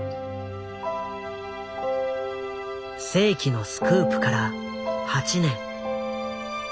世紀のスクープから８年。